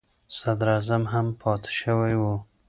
صدر اعظم هم پاتې شوی و.